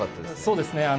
そうですね。